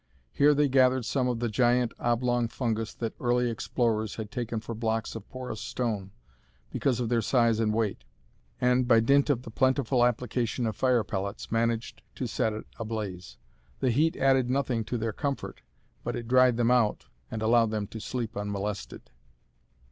Here they gathered some of the giant, oblong fungus that early explorers had taken for blocks of porous stone because of their size and weight, and, by dint of the plentiful application of fire pellets, managed to set it ablaze. The heat added nothing to their comfort, but it dried them out and allowed them to sleep unmolested.